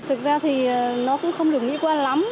thực ra thì nó cũng không được mỹ quan lắm